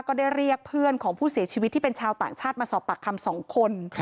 ก็ได้เรียกเพื่อนของผู้เสียชีวิตที่เป็นชาวต่างชาติมาสอบปากคำ๒คน